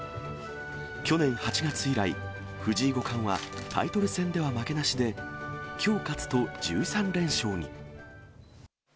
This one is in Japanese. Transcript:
去年８月以来、藤井五冠はタイトル戦では負けなしで、きょう勝つと、１３連勝に。